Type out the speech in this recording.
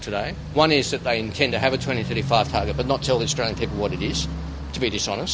satu adalah mereka ingin memiliki target dua ribu tiga puluh lima tapi tidak memberitahu orang australia apa itu untuk berdiskus